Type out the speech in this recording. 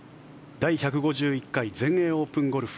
第１５１回全英オープンゴルフ。